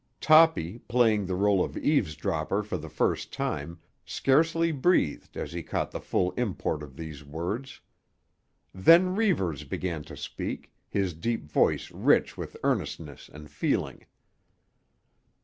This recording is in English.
Toppy, playing the role of eavesdropper for the first time, scarcely breathed as he caught the full import of these words. Then Reivers began to speak, his deep voice rich with earnestness and feeling.